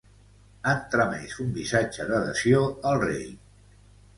Han tramès un missatge d'adhesió al rei.